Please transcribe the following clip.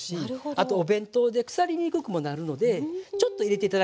あとお弁当で腐りにくくもなるのでちょっと入れて頂くといいと思います。